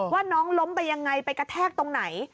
ว่าน้องล้มไปยังไงไปกระแทกตรงไหน